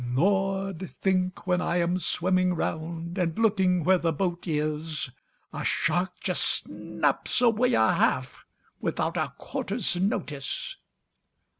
"Lord! think when I am swimming round, And looking where the boat is, A shark just snaps away a half, Without a 'quarter's notice.'